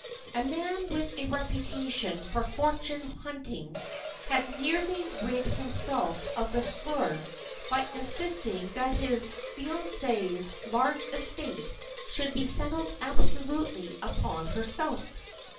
A man with a reputation for fortune hunting had nearly rid himself of the slur by insisting that his fiancée's large estate should be settled absolutely upon herself.